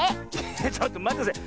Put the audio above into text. ちょっとまってください。